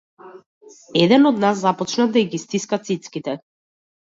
Еден од нас започнува да и ги стиска цицките.